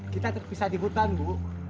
kita terpisah di hutan bu